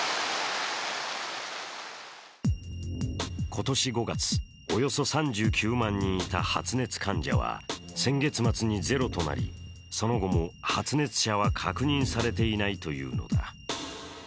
今年５月、およそ３９万人いた発熱患者は先月末にゼロとなり、その後も発熱者は確認されていないというのだ。